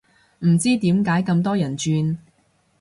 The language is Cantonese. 唔知點解咁多人轉